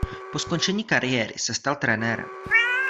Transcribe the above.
Po skončení kariéry se stal trenérem.